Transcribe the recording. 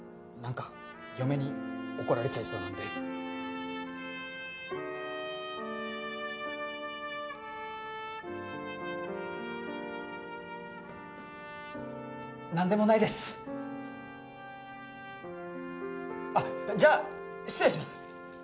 何か嫁に怒られちゃいそうなんで何でもないですあっじゃ失礼します